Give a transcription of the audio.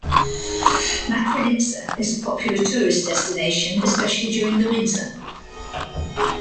Makrinitsa is a popular tourist destination, especially during the winter.